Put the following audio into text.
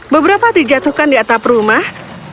beberapa dijatuhkan di atap rumah